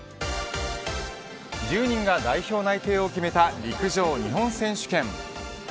１０人が代表内定を決めた陸上日本選手権。